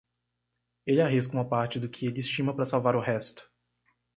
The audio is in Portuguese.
Ele arrisca uma parte do que ele estima para salvar o resto.